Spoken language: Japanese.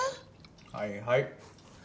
はいはい。